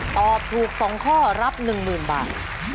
ตอบถูก๒ข้อรับ๑๐๐๐บาท